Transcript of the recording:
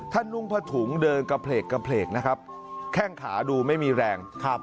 ถ้านุ่งผถุงเดินกระเพลกกระเพลกนะครับแค่งขาดูไม่มีแรงครับ